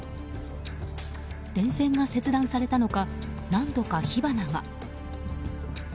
電線が切断されたのか何度か火花が。